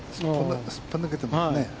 すっぽ抜けてますね。